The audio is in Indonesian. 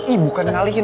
ih bukan ngalihin